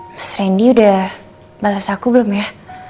mas rendy udah bales aku belum ya